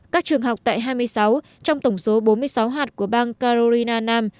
các trường học tại hai mươi sáu trong tổng số bốn mươi sáu hạt của bang carolina nam